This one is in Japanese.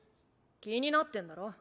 気になってんだろ？